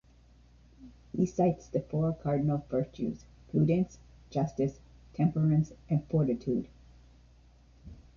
He cites the four cardinal virtues: prudence, justice, temperance, and fortitude.